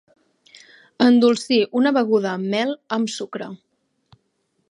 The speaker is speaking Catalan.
Endolcir una beguda amb mel, amb sucre.